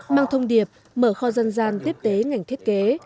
mang thông điệp mở kho dân gian tiếp tế ngành thiết kế